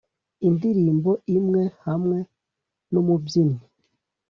indirimbo imwe hamwe numubyinnyi